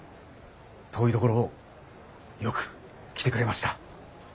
遠いところをよく来てくれました。